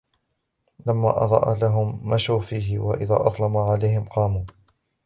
لَّمَا أَضَاءَ لَهُمْ مَشَوْا فِيهِ وَإِذَا أَظْلَمَ عَلَيْهِمْ قَامُوا